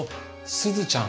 すずちゃん？